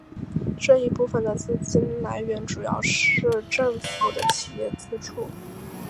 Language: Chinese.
这一部分的资金来源主要是政府和企业资助。